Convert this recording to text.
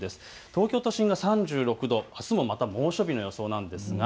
東京都心が３６度、あすも猛暑日の予定です。